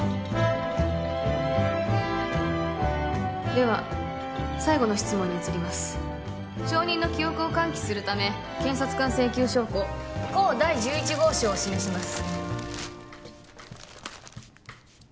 では最後の質問に移ります証人の記憶を喚起するため検察官請求証拠甲第１１号証を示します